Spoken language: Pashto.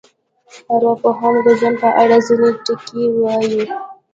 ارواپوهنه د ژوند په اړه ځینې ټکي وایي.